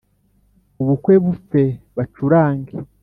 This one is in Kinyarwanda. ubukwe bupfe bacurange